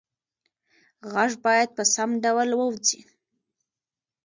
غږ باید په سم ډول ووځي.